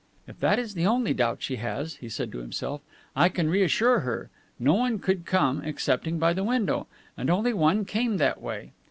"If that is the only doubt she has," he said to himself, "I can reassure her. No one could come, excepting by the window. And only one came that way."